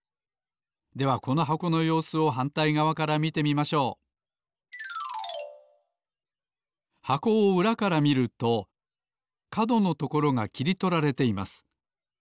ではこの箱のようすをはんたいがわから見てみましょう箱をうらから見るとかどのところがきりとられています。